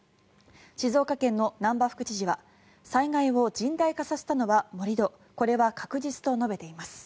静岡県の難波副知事は災害を甚大化させたのは盛り土これは確実と述べています。